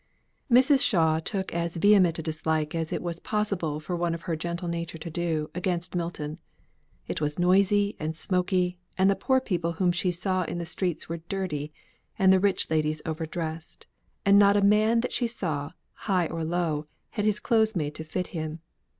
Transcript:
Mrs. Shaw took as vehement a dislike as it was possible for one of her gentle nature to do, against Milton. It was noisy, and smoky, and the poor people whom she saw in the streets were dirty, and the rich ladies over dressed, and not a man that she saw, high or low, had his clothes made to fit him.